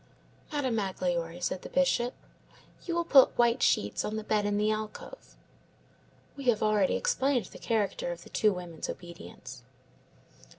"Madame Magloire," said the Bishop, "you will put white sheets on the bed in the alcove." We have already explained the character of the two women's obedience.